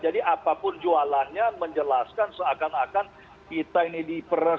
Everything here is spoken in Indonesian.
jadi apapun jualannya menjelaskan seakan akan kita ini diperas